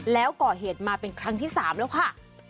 แล้วก่อเหตุมาเป็นครั้งที่๓แล้วค่ะ